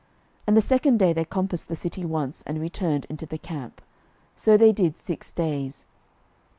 06:006:014 And the second day they compassed the city once, and returned into the camp: so they did six days.